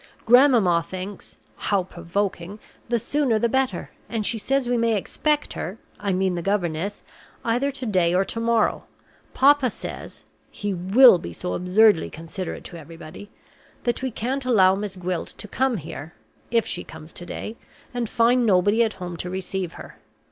Grandmamma thinks (how provoking!) the sooner the better; and she says we may expect her I mean the governess either to day or to morrow. Papa says (he will be so absurdly considerate to everybody!) that we can't allow Miss Gwilt to come here (if she comes to day) and find nobody at home to receive her.